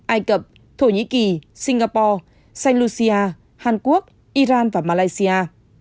ai cập thổ nhĩ kỳ singapore saint lucia hàn quốc iran và malaysia